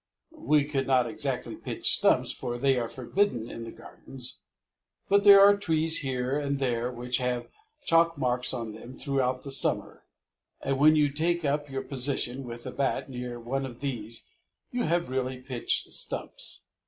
We could not exactly pitch stumps, for they are forbidden in the Gardens, but there are trees here and there which have chalk marks on them throughout the summer, and when you take up your position with a bat near one of these you have really pitched stumps.